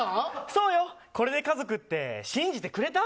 そうよ、これで家族って信じてくれた？